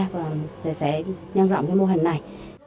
và sẽ nhân rộng cái mô hình này